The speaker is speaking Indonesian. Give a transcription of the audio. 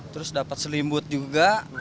terus dapet selimut juga